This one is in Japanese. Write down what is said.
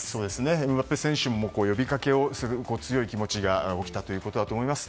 エムバペ選手も呼びかけをする強い気持ちが起きたということだと思います。